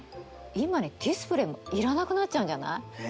今にディスプレイもいらなくなっちゃうんじゃない？